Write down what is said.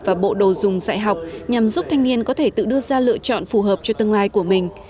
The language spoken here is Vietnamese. và bộ đồ dùng dạy học nhằm giúp thanh niên có thể tự đưa ra lựa chọn phù hợp cho tương lai của mình